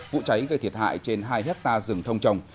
vụ cháy gây thiệt hại trên hai hectare rừng thông trồng